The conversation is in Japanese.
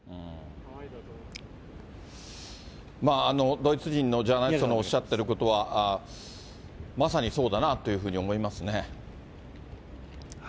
ドイツ人のジャーナリストのおっしゃってることは、まさにそうだなというふうに思いますね。